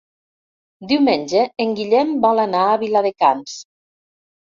Diumenge en Guillem vol anar a Viladecans.